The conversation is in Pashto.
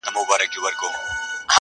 سیاه پوسي ده، مرگ خو یې زوی دی.